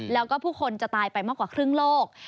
แล้วก็ผู้คนจะตายไปมากกว่าครึ่งโลก